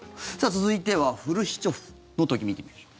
続いては、フルシチョフの時を見てみましょう。